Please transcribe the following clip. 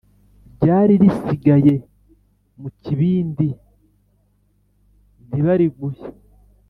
ryari risigaye mu kibindi nibariguhe.